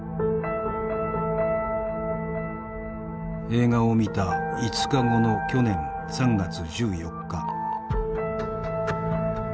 映画を見た５日後の去年３月１４日。